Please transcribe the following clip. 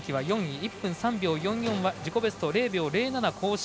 １分３秒４４は自己ベストを０秒０７更新。